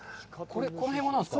この辺は何ですか。